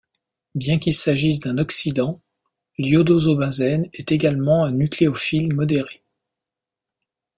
Bien qu'il s'agisse d'un oxydant, l'iodosobenzène est également un nucléophile modéré.